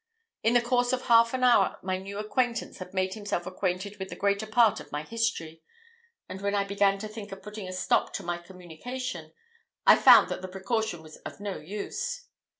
In the course of half an hour my new acquaintance had made himself acquainted with the greater part of my history; and when I began to think of putting a stop to my communication, I found that the precaution was of no use.